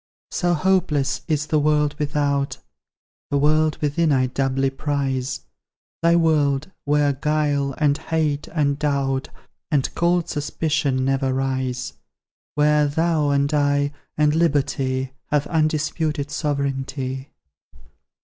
So hopeless is the world without; The world within I doubly prize; Thy world, where guile, and hate, and doubt, And cold suspicion never rise; Where thou, and I, and Liberty, Have undisputed sovereignty.